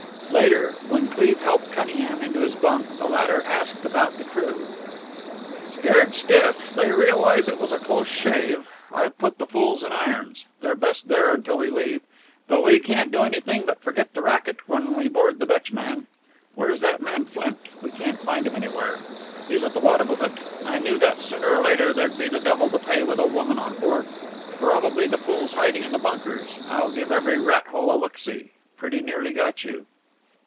Later, when Cleve helped Cunningham into his bunk, the latter asked about the crew. "Scared stiff. They realize that it was a close shave. I've put the fools in irons. They're best there until we leave. But we can't do anything but forget the racket when we board the Dutchman. Where's that man Flint? We can't find him anywhere. He's at the bottom of it. I knew that sooner or later there'd be the devil to pay with a woman on board. Probably the fool's hiding in the bunkers. I'll give every rat hole a look see. Pretty nearly got you."